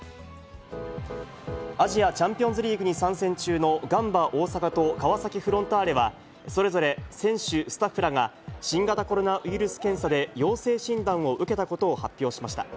アジアチャンピオンズリーグに参戦中の、ガンバ大阪と川崎フロンターレは、それぞれ選手、スタッフらが新型コロナウイルス検査で陽性診断を受けたことを発表しました。